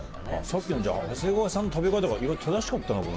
さっきのじゃあ長谷川さんの食べ方が意外と正しかったのかも。